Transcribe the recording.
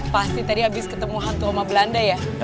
pasti tadi habis ketemu hantu oma belanda ya